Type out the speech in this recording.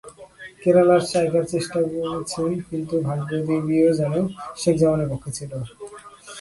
কেরালার স্ট্রাইকার চেষ্টাও করেছেন, কিন্তু ভাগ্যদেবীও যেন শেখ জামালের পক্ষে ছিল।